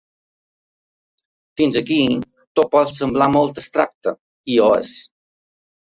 Fins aquí tot pot semblar molt abstracte; i ho és.